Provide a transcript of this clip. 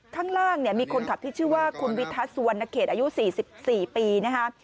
ข้างล่างมีคนขับที่ชื่อว่าคุณวิทัศว์สวรรค์นาเขตอายุ๔๔ปีนะฮะ